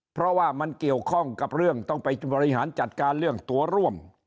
เพราะว่ามันเกี่ยวข้องกับเรื่องต้องไปบริหารจัดการเรื่องตัวร่วม